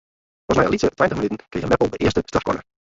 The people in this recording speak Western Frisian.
Pas nei in lytse tweintich minuten krige Meppel de earste strafkorner.